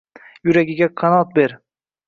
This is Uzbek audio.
Yuragiga qanot berdi